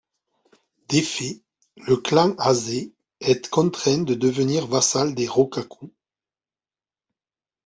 Défait, le clan Azai est contraint de devenir vassal des Rokkaku.